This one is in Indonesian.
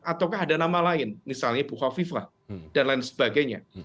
ataukah ada nama lain misalnya ibu khofifah dan lain sebagainya